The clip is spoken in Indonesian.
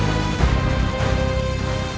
aku akan menang